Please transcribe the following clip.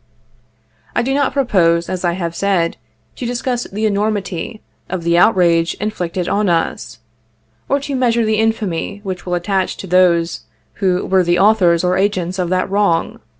I do not propose, as I have said, to discuss the enormity of the outrage inflicted on us, or to measure the infamy which will attach to those who were the authors or agents of that wrong.